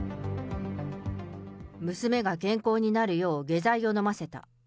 娘が健康になるよう下剤を飲ませた。